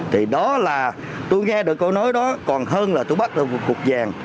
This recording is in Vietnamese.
thì đó là tôi nghe được câu nói đó còn hơn là tôi bắt được một cục vàng